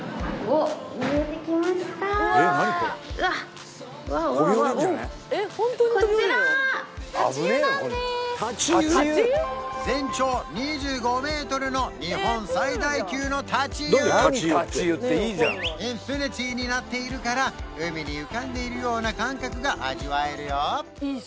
お全長２５メートルの日本最大級の立ち湯インフィニティになっているから海に浮かんでいるような感覚が味わえるよ